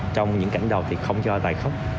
trong những cảnh đầu thì không cho tài khóc